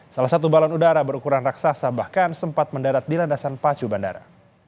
salah satu balon udara berukuran raksasa bahkan sempat mendarat di landasan pacu bandara